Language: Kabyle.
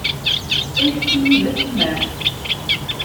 Ayefki-nni d asemmam.